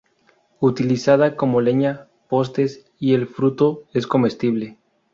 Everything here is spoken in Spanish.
Utilizada como leña, postes y el fruto es comestible.